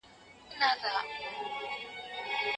شریف په انګړ کې د شنو ونو ننداره کوله.